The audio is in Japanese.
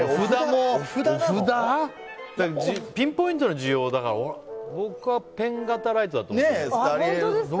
ピンポイントの需要だから僕はペン型ライトだと思う。